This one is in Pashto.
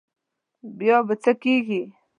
بیا به څه کېږي.